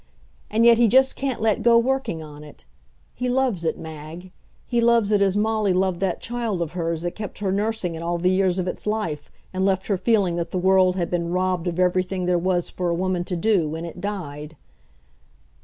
And yet he just can't let go working on it. He loves it, Mag; he loves it as Molly loved that child of hers that kept her nursing it all the years of its life, and left her feeling that the world had been robbed of everything there was for a woman to do when it died.